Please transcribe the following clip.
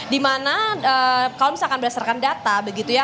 dimana kalau misalkan berdasarkan data